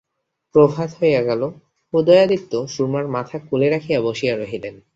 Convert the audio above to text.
প্রভাত হইয়া গেল, উদয়াদিত্য সুরমার মাথা কোলে রাখিয়া বসিয়া রহিলেন!